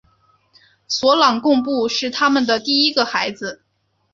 索朗贡布是他们的第一个孩子。